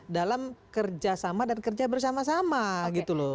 dalam kerjasama dan kerja bersama sama gitu loh